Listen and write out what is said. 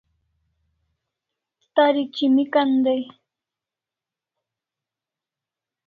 Tari chimikan dai